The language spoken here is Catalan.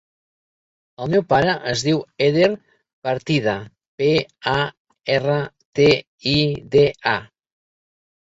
El meu pare es diu Eder Partida: pe, a, erra, te, i, de, a.